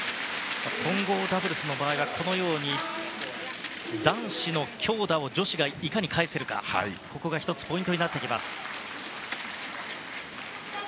混合ダブルスの場合は男子の強打を女子がいかに返せるかここが１つポイントになってきます。